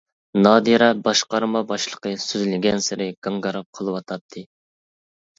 نادىرە باشقارما باشلىقى سۆزلىگەنسېرى گاڭگىراپ قىلىۋاتاتتى.